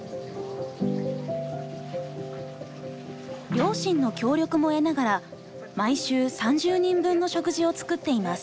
両親の協力も得ながら毎週３０人分の食事を作っています。